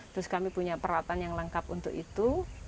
terus kami punya peralatan yang lengkap untuk itu